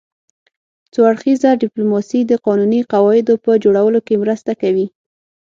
څو اړخیزه ډیپلوماسي د قانوني قواعدو په جوړولو کې مرسته کوي